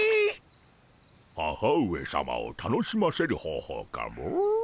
母上さまを楽しませる方法かモ？